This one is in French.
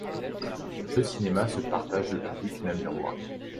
Deux cinémas se partagent le public namurois.